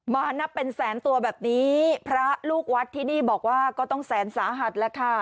นับเป็นแสนตัวแบบนี้พระลูกวัดที่นี่บอกว่าก็ต้องแสนสาหัสแล้วค่ะ